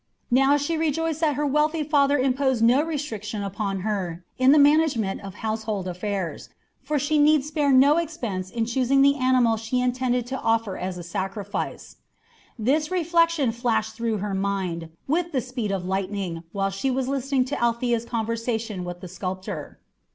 Now she rejoiced that her wealthy father imposed no restriction upon her in the management of household affairs, for she need spare no expense in choosing the animal she intended to offer as a sacrifice. This reflection flashed through her mind with the speed of lightning while she was listening to Althea's conversation with the sculptor.